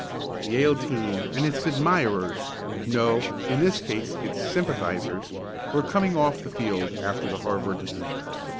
The Yale team and its admirers no, in this case its sympathizers were coming off the field after the Harvard defeat.